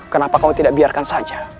kenapa kau tidak biarkan saja